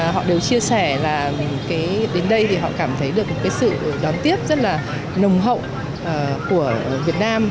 họ đều chia sẻ là đến đây thì họ cảm thấy được một cái sự đón tiếp rất là nồng hậu của việt nam